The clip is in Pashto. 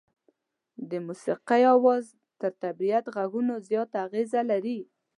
که د موسيقۍ اواز تر طبيعت غږونو زیاته اغېزه لري.